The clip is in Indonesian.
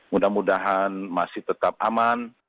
mudah mudahan masih tetap aman